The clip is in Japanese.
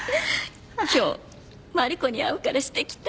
今日マリコに会うからしてきた。